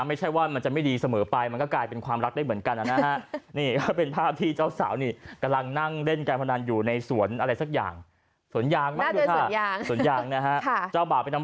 ไม่ใช่ว่ามันจะไม่ดีเสมอไปมันก็กลายเป็นความรักได้เหมือนกันนะฮะ